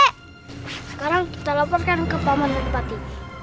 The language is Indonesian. sekarang kita laporkan ke paman dan bupati